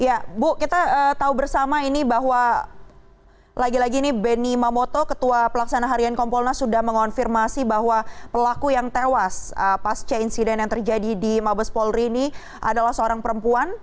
ya bu kita tahu bersama ini bahwa lagi lagi ini benny mamoto ketua pelaksana harian kompolnas sudah mengonfirmasi bahwa pelaku yang tewas pasca insiden yang terjadi di mabes polri ini adalah seorang perempuan